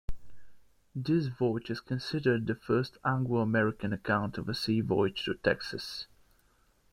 This voyage is considered the first Anglo-American account of a sea voyage to Texas.